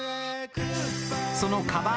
そのカバー